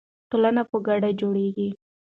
ټولنه په ګډه جوړیږي.